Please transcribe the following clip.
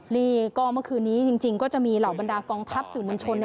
นี่ก็เมื่อคืนนี้จริงก็จะมีเหล่าบรรดากองทัพสื่อมวลชน